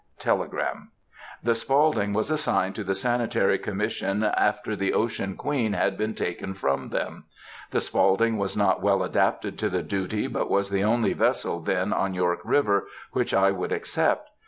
(Telegram.) "The Spaulding was assigned to the Sanitary Commission after the Ocean Queen had been taken from them. The Spaulding was not well adapted to the duty, but was the only vessel then on York River which I would accept.